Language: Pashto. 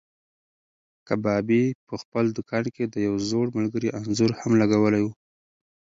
کبابي په خپل دوکان کې د یو زوړ ملګري انځور هم لګولی و.